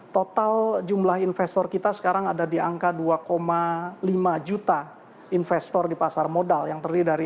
total jumlah investor kita sekarang ada di angka dua lima miliar